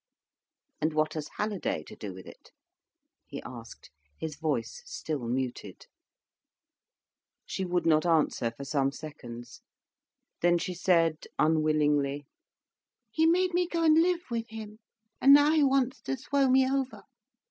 "And what has Halliday to do with it?" he asked, his voice still muted. She would not answer for some seconds. Then she said, unwillingly: "He made me go and live with him, and now he wants to throw me over.